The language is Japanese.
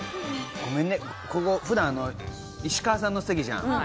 ここ普段、石川さんの席じゃん。